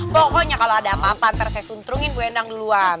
pokoknya kalau ada apa apa nanti saya suntrungin bu endang duluan